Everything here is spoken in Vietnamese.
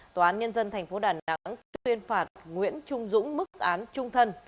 tòa án nhân dân tp đà nẵng tuyên phạt nguyễn trung dũng mức án trung thân